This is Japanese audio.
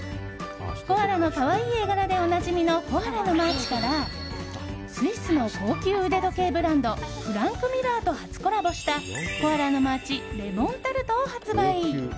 コアラの可愛い絵柄でおなじみのコアラのマーチからスイスの高級腕時計ブランドフランクミュラーと初コラボしたコアラのマーチレモンタルトを発売。